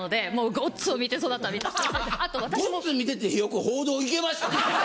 『ごっつ』観ててよく報道いけましたね